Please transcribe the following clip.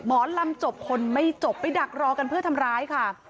หมอลำจบคนไม่จบไปดักรอกันเพื่อทำร้ายค่ะ